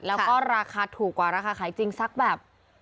แล้วก็ราคาถูกกว่าราคาขายจริงสักแบบ